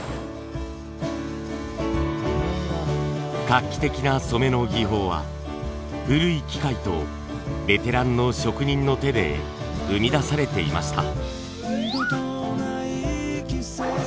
画期的な染めの技法は古い機械とベテランの職人の手で生み出されていました。